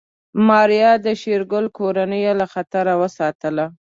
ماريا د شېرګل کورنۍ له خطر وساتله.